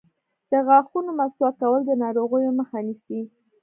د غاښونو مسواک کول د ناروغیو مخه نیسي.